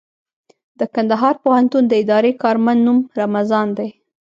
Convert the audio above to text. د کندهار پوهنتون د اداري کارمند نوم رمضان دئ.